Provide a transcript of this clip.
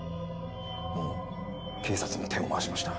もう警察に手を回しました。